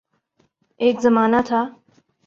ایک زمانہ تھا۔